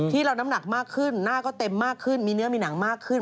น้ำหนักมากขึ้นหน้าก็เต็มมากขึ้นมีเนื้อมีหนังมากขึ้น